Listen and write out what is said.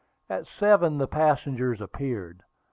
At seven the passengers appeared.